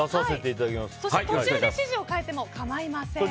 途中で指示を変えても構いません。